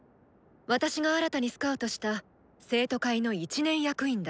私が新たに勧誘した生徒会の１年役員だ。